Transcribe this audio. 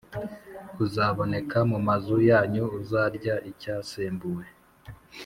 Kuzaboneka mu mazu yanyu uzarya icyasembuwe